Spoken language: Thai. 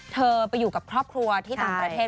เธอไปอยู่กับครอบครัวที่ต่างประเทศ